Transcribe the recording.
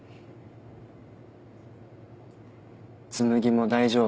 紬も大丈夫？